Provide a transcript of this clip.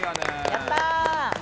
やった！